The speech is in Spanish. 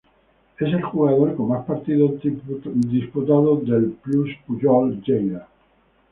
Es el jugador con más partidos disputados del Plus Pujol Lleida.